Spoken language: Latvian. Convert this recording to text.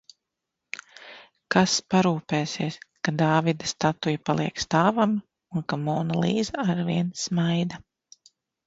Kas parūpēsies, ka Dāvida statuja paliek stāvam un ka Mona Liza arvien smaida?